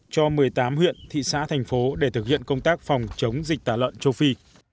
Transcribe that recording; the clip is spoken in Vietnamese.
cho một mươi tám huyện thị xã thành phố để thực hiện công tác phòng chống dịch tả lợn châu phi